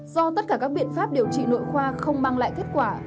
do tất cả các biện pháp điều trị nội khoa không mang lại kết quả